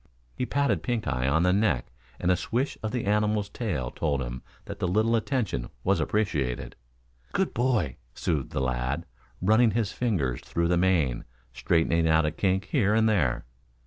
He patted Pink eye on the neck and a swish of the animal's tail told him that the little attention was appreciated. "Good boy," soothed the lad, running his fingers through the mane, straightening out a kink here and there.